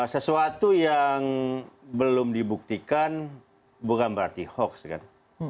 sesuatu yang belum dibuktikan bukan berarti hoax kan